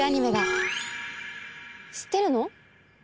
知ってるの？